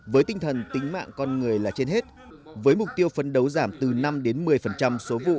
với tinh thần tính mạng con người là trên hết với mục tiêu phấn đấu giảm từ năm một mươi số vụ